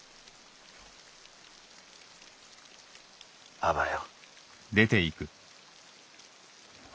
あばよ。